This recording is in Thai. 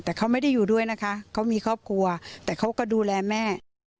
แต่เขาไม่ได้อยู่ด้วยนะคะเขามีครอบครัวแต่เขาก็ดูแลแม่